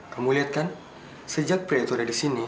kamu lihat kan sejak pria itu ada di sini